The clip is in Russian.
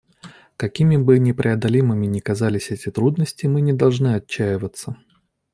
Какими бы непреодолимыми ни казались эти трудности, мы не должны отчаиваться.